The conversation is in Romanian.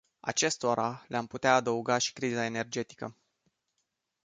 Acestora, le-am putea adăuga și criza energetică.